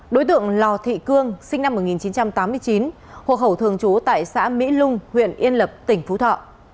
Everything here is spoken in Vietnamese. đối tượng lò thị cương sinh năm một nghìn chín trăm tám mươi chín hộ khẩu thường trú tại xã mỹ lung huyện yên lập tỉnh phú thọ